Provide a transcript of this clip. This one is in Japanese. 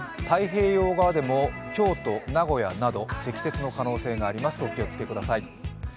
太平洋側でも、京都、名古屋など積雪の可能性があります、お気をつけください。